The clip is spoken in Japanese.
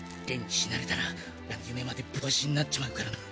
死なれたら俺らの夢までぶち壊しになっちまうからな。